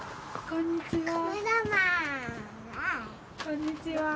こんにちは。